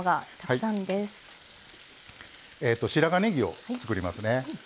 白髪ねぎを作りますね。